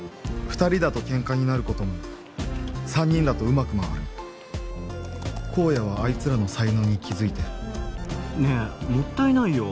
二人だとケンカになることも三人だとうまく回る公哉はあいつらの才能に気づいてねえもったいないよ